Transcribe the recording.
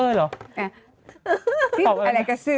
เปรียบปืนอื่นไงอย่าปอบอะไรกสืม